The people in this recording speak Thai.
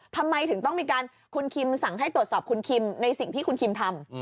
ทำไมถึงต้องมีการคุณคิมสั่งให้ตรวจสอบคุณคิมในสิ่งที่คุณคิมทำ